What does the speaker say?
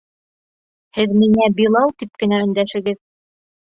Һеҙ миңә Билал тип кенә өндәшегеҙ.